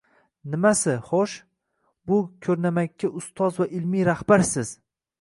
— Nimasi — «xo‘sh»?! Bu ko‘rnamakka ustoz va ilmiy rahbarsiz.